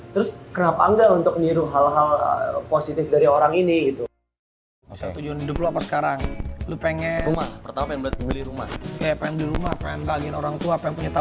terus kenapa enggak untuk niru hal hal positif dari orang ini gitu